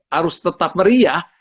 harus tetap meriah